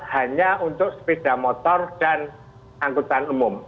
hanya untuk sepeda motor dan angkutan umum